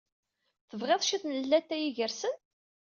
Tebɣiḍ cwiṭ n llatay igersen?